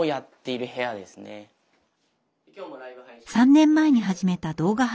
３年前に始めた動画配信。